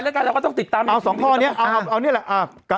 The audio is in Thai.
แล้วกันเราก็ต้องติดตามเอาสองพ่อเนี้ยเอาเอาเนี้ยแหละอ่า